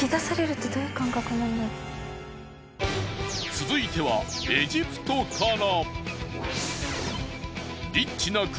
続いてはエジプトから。